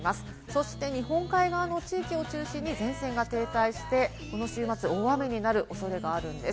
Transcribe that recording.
そして日本海側の地域を中心に前線が停滞して、この週末、大雨になる恐れがあります。